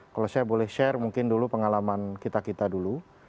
kalau saya boleh share mungkin dulu pengalaman kita kita dulu